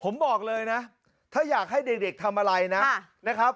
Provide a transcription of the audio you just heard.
ผมบอกเลยนะถ้าอยากให้เด็กทำอะไรนะครับ